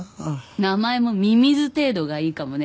名前もミミズ程度がいいかもね。